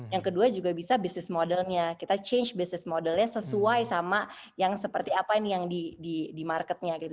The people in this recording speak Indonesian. yang kedua juga bisa bisnis modelnya kita change bisnis modelnya sesuai sama yang seperti apa ini yang di marketnya gitu